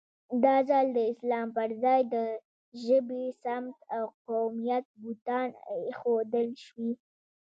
دا ځل د اسلام پر ځای د ژبې، سمت او قومیت بوتان اېښودل شوي.